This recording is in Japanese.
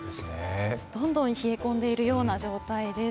どんどん冷え込んでいるような状態です。